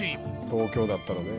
東京だったらね。